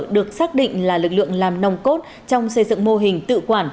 được xác định là lực lượng làm nông cốt trong xây dựng mô hình tự quản